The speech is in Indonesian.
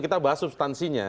kita bahas substansinya